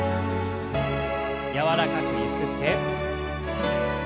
柔らかくゆすって。